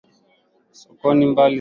Sokoni ni mbali sana.